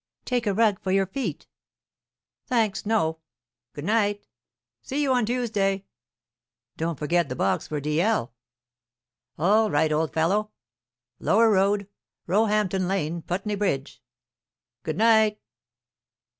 "Take a rug for your feet." "Thanks, no." "Good night." "See you on Tuesday." "Don't forget the box for D.L." "All right, old fellow!" "Lower Road, Roehampton Lane, Putney Bridge. Good night."